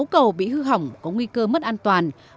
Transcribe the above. sáu cầu bị hư hỏng có nguy cơ mất an toàn